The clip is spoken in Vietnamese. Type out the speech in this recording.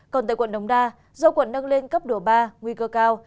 còn tại quận đống đa do quận nâng lên cấp độ ba nguy cơ cao